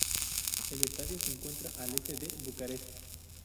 El estadio se encuentra al este de Bucarest.